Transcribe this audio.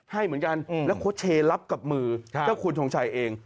ให้เหมือนกันแล้วเขาเชลับกับมือเจ้าคุณทงชัยเอง